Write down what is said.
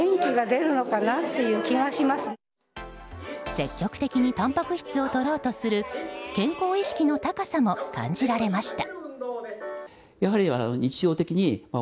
積極的にたんぱく質を取ろうとする健康意識の高さも感じられました。